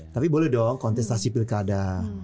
tapi boleh dong kontestasi pilkada